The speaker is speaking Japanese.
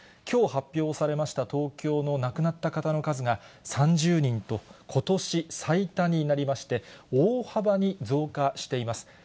きょう発表されました東京の亡くなった方の数が３０人と、ことし最多になりまして、大幅に増加しています。